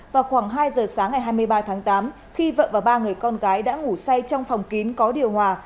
vào khoảng hai giờ sáng ngày hai mươi ba tháng tám khi vợ và ba người con gái đã ngủ say trong phòng kín có điều hòa